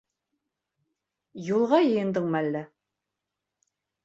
Юлға йыйындыңмы әллә?